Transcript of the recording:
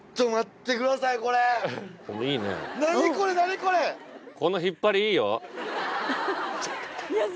この引っ張りいいよ。